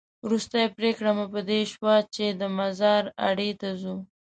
وروستۍ پرېکړه مو په دې شوه چې د مزار اډې ته ځو.